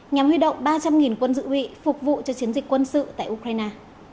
nhằm huy động ba trăm linh quân dự bị phục vụ cho chiến dịch quân sự tại ukraine